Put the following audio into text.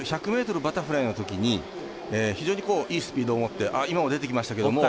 １００ｍバタフライのときに非常にいいスピードを持って今も出てきましたけれども。